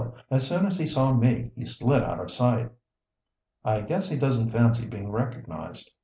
As soon as he saw me he slid out of sight." "I guess he doesn't fancy being recognized.